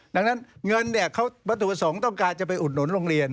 ดังนั้นเงินบัตถุสมต้องการจะไปอุดหนนโรงเรียน